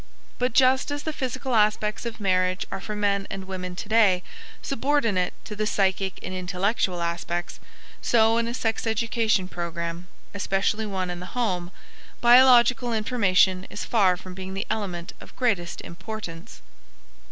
But just as the physical aspects of marriage are for men and women today subordinate to the psychic and intellectual aspects, so in a sex education program, especially one in the home, biological information is far from being the element of greatest importance.